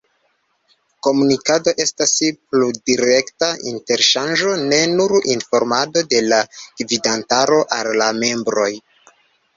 Komunikado estas plurdirekta interŝanĝo ne nur informado de la gvidantaro al la membroj.